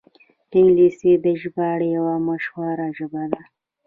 انګلیسي د ژباړې یوه مشهوره ژبه ده